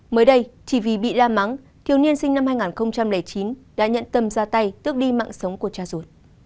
mới đây chỉ vì bị la mắng thiếu niên sinh năm hai nghìn chín đã nhận tâm ra tay tước đi mạng sống của cha ruột